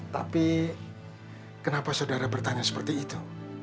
tapi kenapa saudara bertanya seperti itu